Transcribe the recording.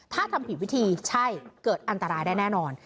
ถ้าทำผิดวิธีใช่เกิดอันตรายได้แน่นอน